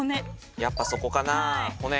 やっぱそこかな「骨」。